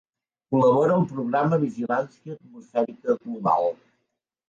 Col·labora al programa Vigilància Atmosfèrica Global.